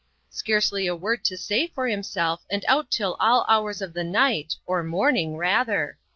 Scarcely a word to say for himself and out till all hours of the night or morning, rather.